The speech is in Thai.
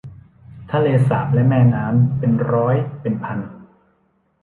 ทะเลสาบและแม่น้ำ เป็นร้อยเป็นพัน